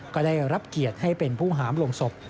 ก็ได้รับเกียรติให้เป็นผู้หามลงศพ